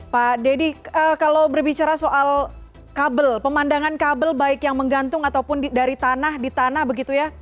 pak deddy kalau berbicara soal kabel pemandangan kabel baik yang menggantung ataupun dari tanah di tanah begitu ya